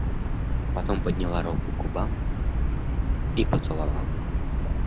Потом подняла руку к губам и поцеловала ее.